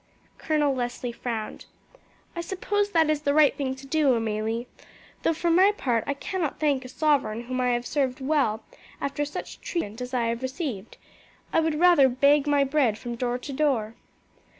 Colonel Leslie frowned. "I suppose that is the right thing to do, Amelie; though, for my part, I cannot thank a sovereign whom I have served well after such treatment as I have received. I would rather beg my bread from door to door."